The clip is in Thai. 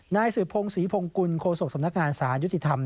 นายสืบพงศรีพงกุลโคศกสำนักงานสารยุติธรรม